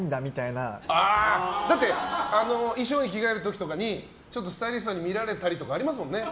衣装に着替える時とかにスタイリストさんに見られたりとかありますもんね。